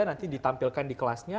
nanti ditampilkan di kelasnya